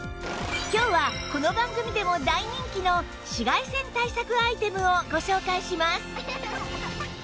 今日はこの番組でも大人気の紫外線対策アイテムをご紹介します！